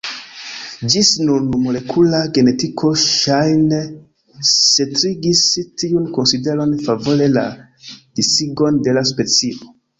Ĝis nun molekula genetiko ŝajne setligis tiun konsideron favore la disigon de la specio.